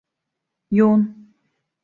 Yoğun…